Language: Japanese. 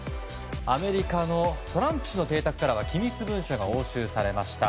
アメリカのトランプ氏の邸宅からは機密文書が押収されました。